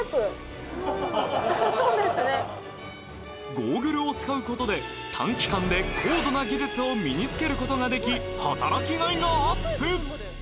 ゴーグルを使うことで、短期間で高度な技術を身に付けることができ、働きがいがアップ。